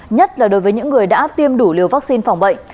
nhất là đối với những người đã tiêm đủ liều vaccine phòng bệnh